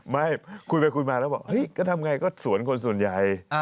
ไม่คุยไปคุยมาแล้วบอกเฮ้ยก็ทำไงก็สวนคนส่วนใหญ่